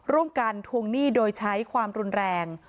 ร่วมกันทวงหนี้โดยใช้ความรุนแรง